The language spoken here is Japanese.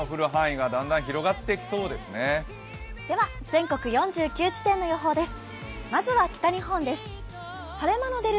全国４９地点の予報です。